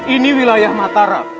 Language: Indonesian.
ini wilayah mataram